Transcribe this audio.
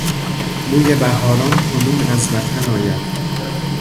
بوی بهاران کنون از وطن آید